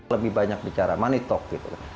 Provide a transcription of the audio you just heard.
lebih banyak bicara money talk gitu